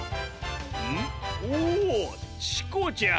ん⁉おぉチコちゃん！